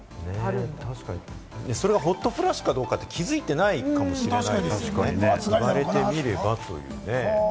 それがホットフラッシュか気づいていないかもしれないですよね、言われてみればというね。